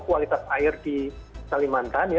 kualitas air di kalimantan